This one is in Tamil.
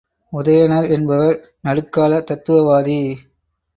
உதயணர் என்பவர் நடுக்கால தத்துவவாதி.